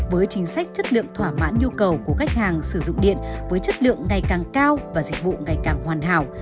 với chính sách chất lượng thỏa mãn nhu cầu của khách hàng sử dụng điện với chất lượng ngày càng cao và dịch vụ ngày càng hoàn hảo